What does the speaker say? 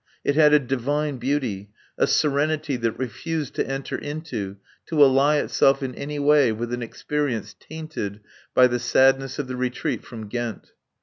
It had a divine beauty, a serenity that refused to enter into, to ally itself in any way with an experience tainted by the sadness of the retreat from Ghent.